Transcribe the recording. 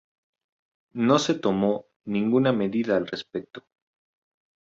No se tomó ninguna medida al respecto.